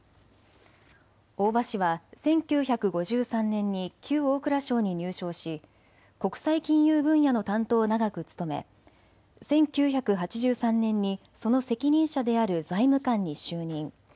大場氏は１９５３年に旧大蔵省に入省し国際金融分野の担当を長く務め１９８３年にその責任者である財務官に就任。